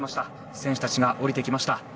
選手たちが降りてきました。